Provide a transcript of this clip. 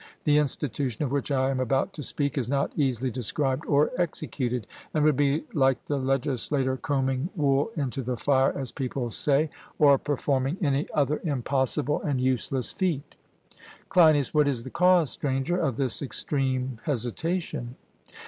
The institution of which I am about to speak is not easily described or executed; and would be like the legislator 'combing wool into the fire,' as people say, or performing any other impossible and useless feat. CLEINIAS: What is the cause, Stranger, of this extreme hesitation?